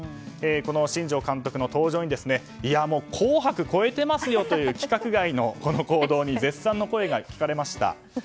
この新庄監督の登場に「紅白」を超えてますよという規格外の行動に絶賛の声が聞かれました。